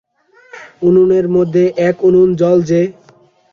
-উনুনের মধ্যে এক উনুন জল যে?